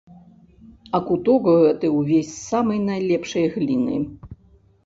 А куток гэты ўвесь з самай найлепшай гліны.